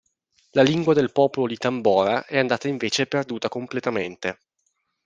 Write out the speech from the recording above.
La lingua del popolo di Tambora è andata invece perduta completamente.